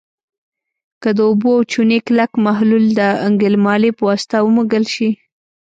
که د اوبو او چونې کلک محلول د ګلمالې په واسطه ومږل شي.